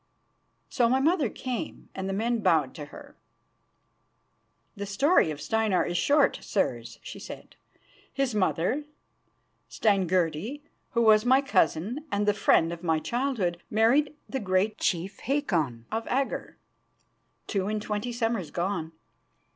So my mother came, and the men bowed to her. "The story of Steinar is short, sirs," she said. "His mother, Steingerdi, who was my cousin and the friend of my childhood, married the great chief Hakon, of Agger, two and twenty summers gone.